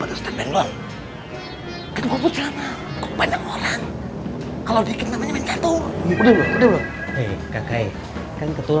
assalamualaikum warahmatullahi wabarakatuh